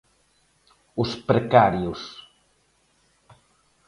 Os precarios.